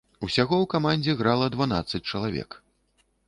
Усяго ў камандзе грала дванаццаць чалавек.